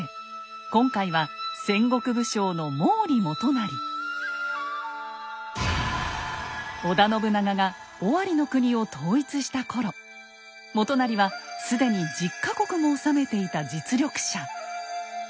今回は織田信長が尾張国を統一した頃元就は既に１０か国も治めていた実力者。